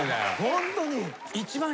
ホントに？